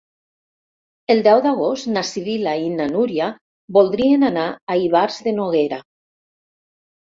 El deu d'agost na Sibil·la i na Núria voldrien anar a Ivars de Noguera.